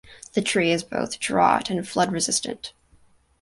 The tree is both drought and flood resistant.